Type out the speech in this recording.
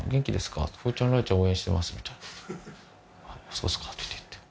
「そうですか」って言って。